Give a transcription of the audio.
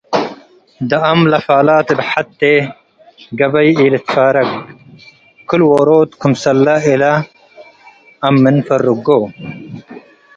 ደአም ለፋላት እብ ሐቴ" ገበይ ኢልትፋረግ፡ ክል-ዎሮት ክምሰለ እለ አም'ን ፋር'ጎ።